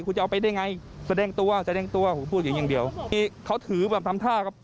คุณจะเอาไปได้ไงแสดงตัวแสดงตัวผมพูดอย่างเดียวเขาถือแบบทำท่า